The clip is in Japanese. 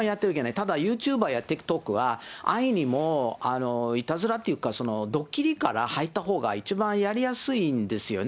ただ、ユーチューバーやＴｉｋＴｏｋは安易にいたずらというか、どっきりから入ったほうが一番やりやすいんですよね。